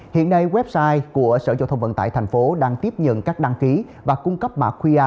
hiện nay website của sở giao thông vận tải thành phố đang tiếp nhận các đăng ký và cung cấp mạc qr